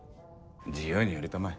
自由にやりたまえ。